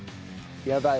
やばい。